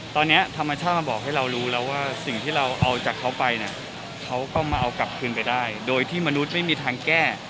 ตอนนี้ธรรมชาติมาบอกให้เรารู้แล้วว่าสิ่งที่เราเอาจากเขาไปเนี่ยเขาก็มาเอากลับคืนไปได้โดยที่มนุษย์ไม่มีทางแก้